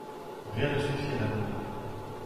Rien ne suffit à l’amour.